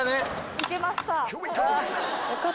いけました。